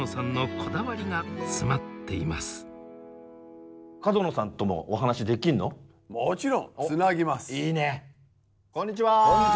こんにちは。